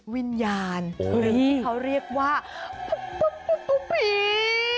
วิญญาณที่เขาเรียกว่าผี